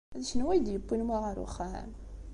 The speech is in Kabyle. D kenwi ay d-yewwin wa ɣer uxxam?